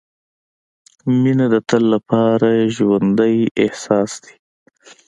• مینه د تل لپاره ژوندی احساس دی.